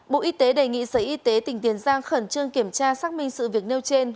bộ y tế đề nghị sở y tế tỉnh tiền giang khẩn trương kiểm tra xác minh sự việc nêu trên